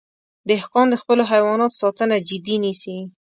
دهقان د خپلو حیواناتو ساتنه جدي نیسي.